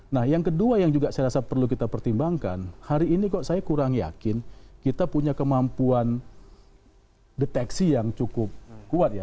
nah yang kedua yang juga saya rasa perlu kita pertimbangkan hari ini kok saya kurang yakin kita punya kemampuan deteksi yang cukup kuat ya